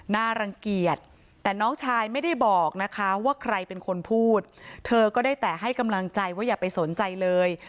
รังเกียจแต่น้องชายไม่ได้บอกนะคะว่าใครเป็นคนพูดเธอก็ได้แต่ให้กำลังใจว่าอย่าไปสนใจเลย